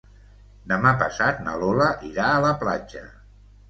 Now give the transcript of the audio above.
Demà passat na Lola irà a la platja.